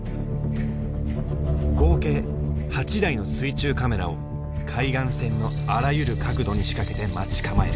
合計８台の水中カメラを海岸線のあらゆる角度に仕掛けて待ち構える。